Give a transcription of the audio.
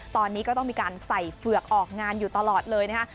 ตอนนี้ก็ต้องมีการใส่เฝือกออกงานอยู่ตลอดเลยนะคะ